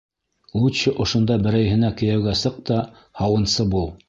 Лучше ошонда берәйһенә кейәүгә сыҡ та һауынсы бул.